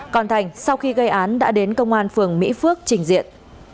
còn thành sau khi gây án đã đến công an phường mỹ phước trình diện